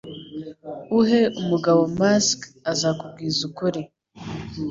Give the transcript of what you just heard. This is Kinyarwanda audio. Uhe umugabo mask azakubwiza ukuri.